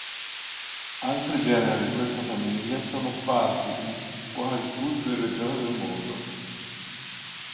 Altri generi di questa famiglia sono sparsi in quasi tutte le regioni del mondo.